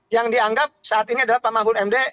yang dianggap saat ini adalah pak mahfud md